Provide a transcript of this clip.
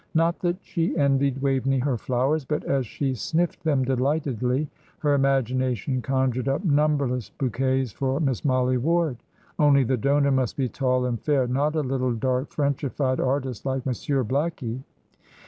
Not that she envied Waveney her flowers; but, as she sniffed them delightedly, her imagination conjured up numberless bouquets for Miss Mollie Ward; only the donor must be tall and fair, not a little dark Frenchified artist like Monsieur Blackie.